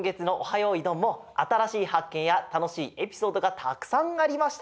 よいどん」もあたらしいはっけんやたのしいエピソードがたくさんありました。